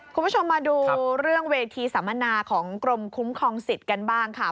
คุณผู้ชมมาดูเรื่องเวทีสัมมนาของกรมคุ้มครองสิทธิ์กันบ้างค่ะ